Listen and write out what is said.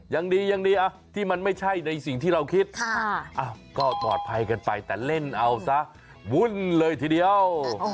ยังดียังดีที่มันไม่ใช่ในสิ่งที่เราคิดก็ปลอดภัยกันไปแต่เล่นเอาซะวุ่นเลยทีเดียว